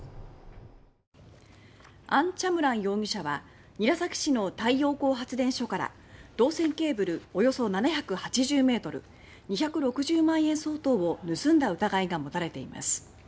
アン・チャムラン容疑者は韮崎市の太陽光発電所から銅線ケーブルおよそ７８０ｍ２６０万円相当を盗んだ疑いが持たれています。